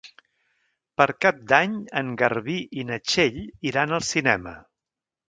Per Cap d'Any en Garbí i na Txell iran al cinema.